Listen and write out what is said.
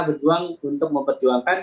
berjuang untuk memperjuangkan